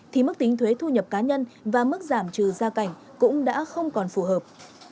thì mức tính thuế thu nhập cá nhân và mức giảm trừ gia cảnh cũng đã không còn phù hợp